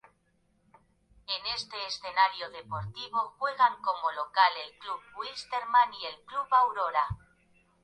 En este escenario deportivo juegan como local el Club Wilstermann y el Club Aurora.